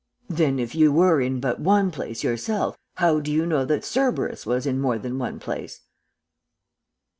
"'Then if you were in but one place yourself, how do you know that Cerberus was in more than one place?'